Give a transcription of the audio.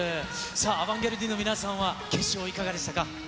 アバンギャルディの皆さんは、決勝、いかがでしたか？